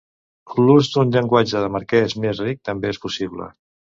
L'ús d'un llenguatge de marques més ric també és possible.